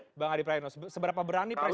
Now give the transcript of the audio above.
seberapa berani presiden mengambil keputusannya